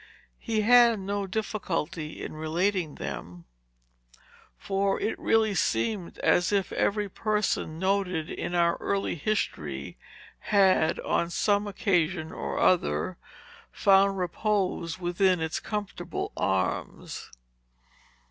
He had no difficulty in relating them; for it really seemed as if every person, noted in our early history, had, on some occasion or other, found repose within its comfortable arms.